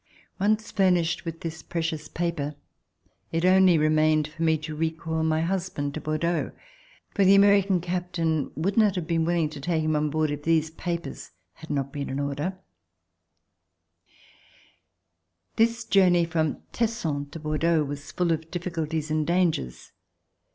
Once furnished with this precious paper, It only remained for me to recall my husband to Bordeaux, for the American captain would not have been willing to take him on board If these papers had not been in order. C 170] DECISION TO LEAVE FRANCE This journey from Tesson to Bordeaux was full of difficulties and dangers.